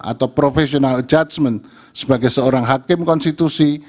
atau professional adjudgement sebagai seorang hakim konstitusi